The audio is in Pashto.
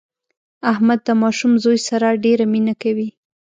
احمد د ماشوم زوی سره ډېره مینه کوي.